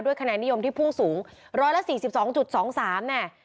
ด้วยคะแนนนิยมที่พุ่งสูง๑๔๒๒๓แน่